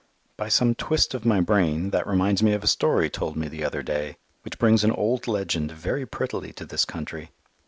By some twist of my brain that reminds me of a story told me the other day which brings an old legend very prettily to this country.